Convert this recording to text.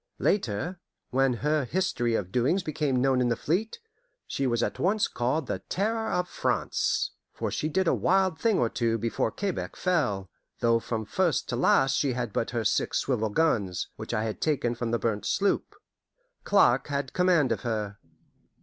Later, when her history and doings became known in the fleet, she was at once called the Terror of France; for she did a wild thing or two before Quebec fell, though from first to last she had but her six swivel guns, which I had taken from the burnt sloop. Clark had command of her.